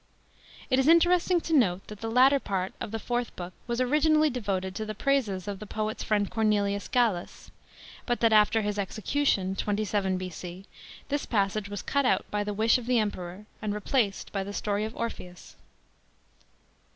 It is interesting to note that the latter part of the fourth Book was originally devoted to the praises of the poet's friend Cornelius Gallus, but that after his execution (27 B.c.)f this passage was cut out by the wish of the Emperor and replaced by the story of Orpheus.